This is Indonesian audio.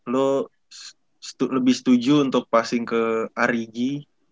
lu lebih setuju untuk passing ke rigi